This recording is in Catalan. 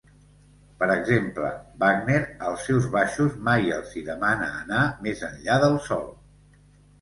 Per exemple, Wagner als seus baixos mai els hi demana anar més enllà del sol.